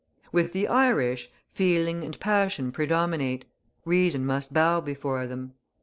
With the Irish, feeling and passion predominate; reason must bow before them.